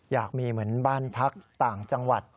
อยากมีเหมือนบ้านพักต่างจังหวัด